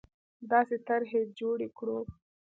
داسې طرحې جوړې کړو